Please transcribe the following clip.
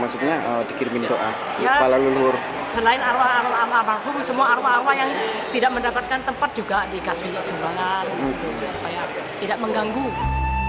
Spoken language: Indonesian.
semoga allah mendapatkan tempat yang lebih bahagia